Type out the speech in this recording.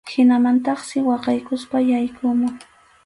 Hinamantaqsi waqaykuspa yaykumun.